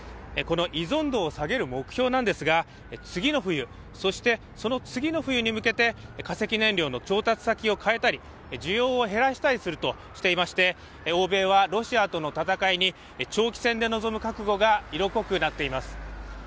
この依存度を下げる目標なんですが次の冬、そして、その次の冬に向けて化石燃料の調達先を変えたり需要を減らしたりするとしていますが、欧米はロシアとの戦いに長期戦で臨む覚悟が色濃くなっています。